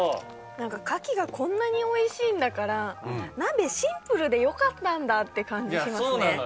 牡蠣がこんなにおいしいんだから鍋シンプルでよかったんだって感じしますね。